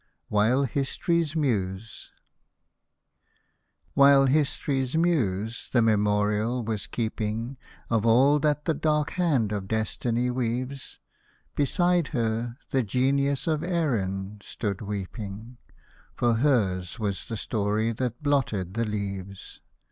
WHILE HISTORY'S MUSE While History's Muse the memorial was keeping Of all that the dark hand of Destiny weaves, Beside her the Genius of Erin stood weeping, For her's was the story that blotted the leaves.